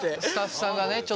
スタッフさんがね